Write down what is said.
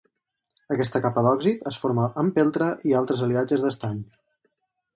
Aquesta capa d'òxid es forma en peltre i altres aliatges d'estany.